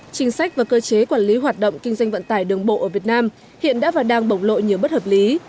chính sách và cơ chế quản lý hoạt động kinh doanh vận tải đường bộ ở việt nam hiện đã và đang bổng lộ nhiều bất hợp lý